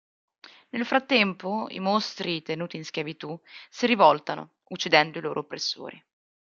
Nel frattempo i mostri tenuti in schiavitù si rivoltano uccidendo i loro oppressori.